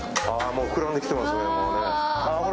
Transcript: もう膨らんできてますね。